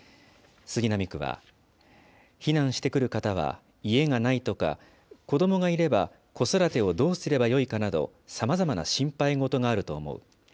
杉並区は、避難してくる方は家がないとか、子どもがいれば、子育てをどうすればよいかなどさまざまな心配事があると思う。